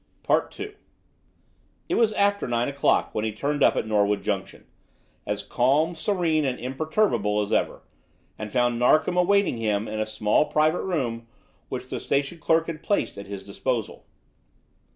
II It was after nine o'clock when he turned up at Norwood Junction, as calm, serene, and imperturbable as ever, and found Narkom awaiting him in a small private room which the station clerk had placed at his disposal.